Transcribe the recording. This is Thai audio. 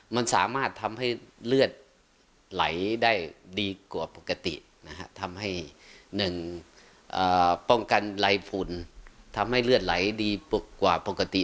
มันสามารถทำให้เลือดไหลได้ดีกว่าปกตินะฮะทำให้๑ป้องกันไรฝุ่นทำให้เลือดไหลดีกว่าปกติ